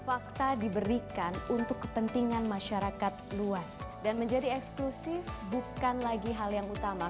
fakta diberikan untuk kepentingan masyarakat luas dan menjadi eksklusif bukan lagi hal yang utama